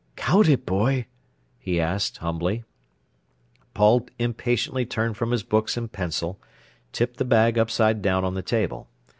"Count it, boy," he asked humbly. Paul impatiently turned from his books and pencil, tipped the bag upside down on the table.